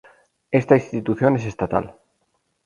Esta institución es estatal.